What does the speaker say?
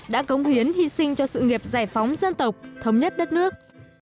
đã cống hiến hy sinh cho sự nghiệp giải phóng dân tộc thống nhất đất nước